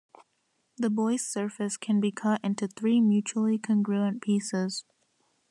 The Boy's surface can be cut into three mutually congruent pieces.